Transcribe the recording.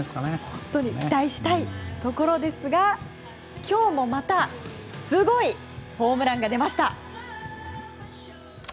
本当に期待したいところですが今日もまたすごいホームランが出ました。